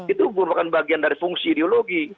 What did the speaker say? itu merupakan bagian dari fungsi ideologi